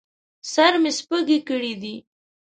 سر مې سپږې کړي دي